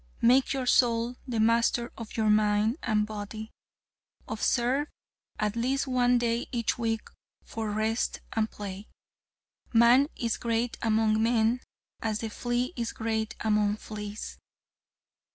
Make your soul the master of your mind and body. Observe at least one day each week for rest and play. Man is great among men as the flea is great among fleas.